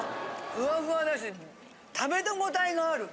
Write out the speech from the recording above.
ふわふわだし食べ応えがある。